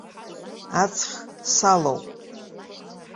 Аҵх салоуп.